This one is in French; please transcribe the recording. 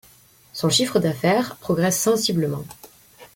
Son chiffre d'affaires progresse sensiblement.